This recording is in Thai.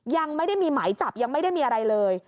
ยังไม่ได้มีหมายจับยังไม่ได้มีอะไรเลย